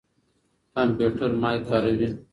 کمپيوټر مايک کاروي.